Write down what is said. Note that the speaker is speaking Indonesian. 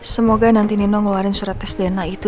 semoga nanti nino ngeluarin surat tes dna itu